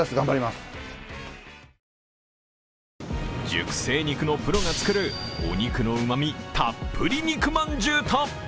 熟成肉のプロが作るお肉のうまみたっぷり肉饅頭と